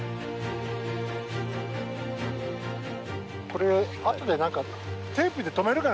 これあとで何かテープでとめるかな。